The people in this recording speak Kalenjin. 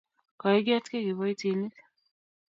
koiketgei kiboitinik